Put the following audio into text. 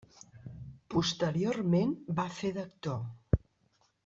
Posteriorment va fer d'actor.